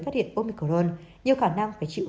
phát hiện omicron nhiều khả năng phải chịu